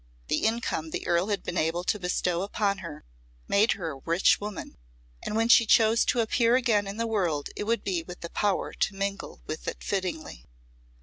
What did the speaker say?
The income the earl had been able to bestow upon her made her a rich woman, and when she chose to appear again in the world it would be with the power to mingle with it fittingly.